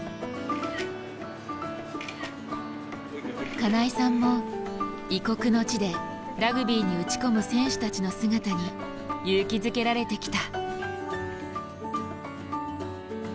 金井さんも異国の地でラグビーに打ち込む選手たちの姿に勇気づけられてきた。